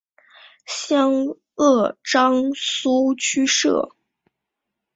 湘鄂赣苏区设。